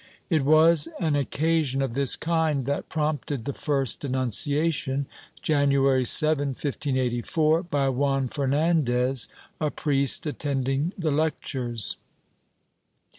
It was an occasion of this kind that prompted the first denunciation, January 7, 1584, by Juan Fernandez, a priest attending the lectures.